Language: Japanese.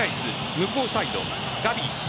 向こうサイド、ガヴィ。